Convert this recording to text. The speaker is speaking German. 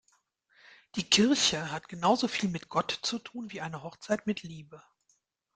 Die Kirche hat genauso viel mit Gott zu tun wie eine Hochzeit mit Liebe.